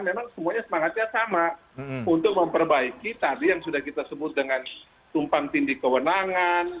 memang semuanya semangatnya sama untuk memperbaiki tadi yang sudah kita sebut dengan tumpang tindih kewenangan